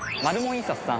印刷さん